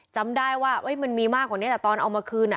จำได้ว่ามันมีมากกว่านี้แต่ตอนเอามาคืน